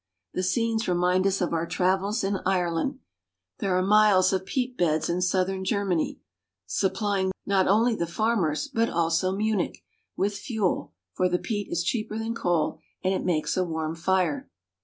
The scenes remind us of our travels in Ireland. There are miles of peat beds in southern Ger many, supplying, not only the farmers, but also Munich, with fuel, for the peat is cheaper than coal and it makes a warm fire.